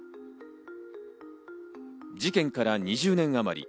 事件から２０年あまり。